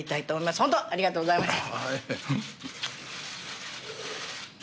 ホントありがとうございました。